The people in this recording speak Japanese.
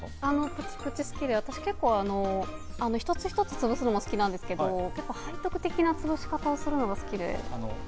プチプチ好きで、私一つ一つ潰すのも好きなんですけれど、背徳的なつぶし方をするのが好きで。